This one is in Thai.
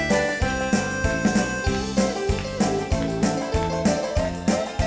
แล้วใส่พี่ใส่ไม่มาเอาใจ